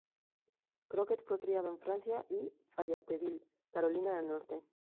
Crockett fue criado en Francia y Fayetteville, Carolina del Norte.